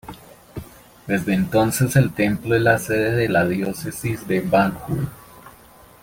Desde entonces el templo es la sede de la diócesis de Banjul.